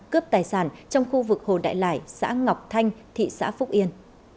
cướp tài sản trong khu vực hồ đại lải xã ngọc thanh thị xã phúc yên